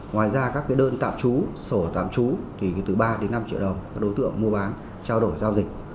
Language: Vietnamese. ngoài ra các đơn tạm trú sổ tạm trú thì từ ba đến năm triệu đồng các đối tượng mua bán trao đổi giao dịch